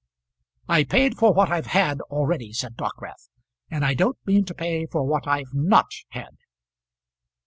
"I've paid for what I've had already," said Dockwrath, "and I don't mean to pay for what I've not had."